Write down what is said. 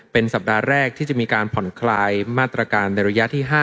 เป็นสัปดาห์แรกที่จะมีการผ่อนคลายมาตรการในระยะที่๕